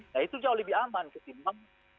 nah itu jauh lebih aman ketimbang